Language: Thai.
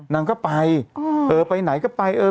นางก็ไปไปไหนก็ไป